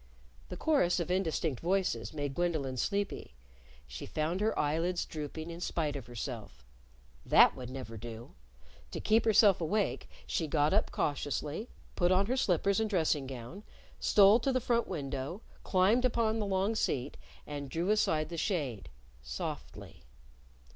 The chorus of indistinct voices made Gwendolyn sleepy. She found her eyelids drooping in spite of herself. That would never do! To keep herself awake, she got up cautiously, put on her slippers and dressing gown, stole to the front window, climbed upon the long seat, and drew aside the shade softly.